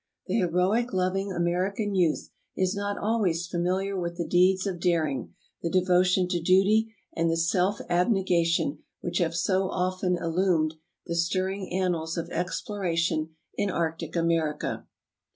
The heroic loving American youth is ^ not always familiar with the deeds of daring, the de 3 votion to duty, and the self abnegation which have <>, so often illumined the stirring annals of exploration in arctic America.